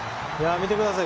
見てください。